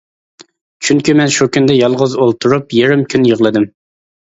چۈنكى مەن شۇ كۈندە يالغۇز ئولتۇرۇپ يېرىم كۈن يىغلىدىم.